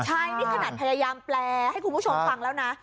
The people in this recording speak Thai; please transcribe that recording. ใช่นี่ขนาดพยายามแปลให้คุณผู้ชมฟังแล้วนะ